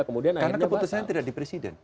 karena keputusannya tidak di presiden